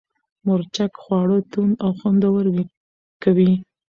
مرچک خواړه توند او خوندور کوي.